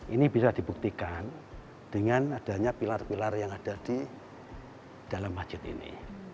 ini bisa dibuktikan dengan adanya pilar pilar yang ada di dalam masjid ini